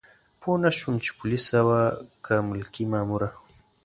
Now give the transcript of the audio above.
پوه نه شوم چې پولیسه وه که ملکي ماموره.